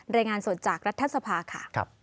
รายงานสดจากรัฐสภาค่ะ